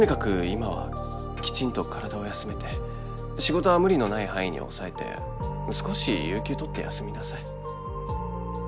今はきちんと体を休めて仕事は無理のない範囲に抑えて少し有休取って休みなさい